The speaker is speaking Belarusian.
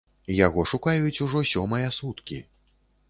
Яго шукаюць ужо сёмыя суткі.